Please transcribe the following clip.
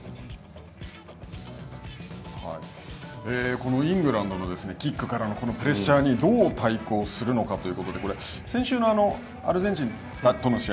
このイングランドのキックからのプレッシャーにどう対抗するのかということで、これ先週のアルゼンチンとの試合